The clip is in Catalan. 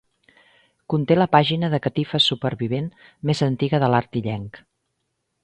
Conté la pàgina de catifes supervivent més antiga de l'art illenc.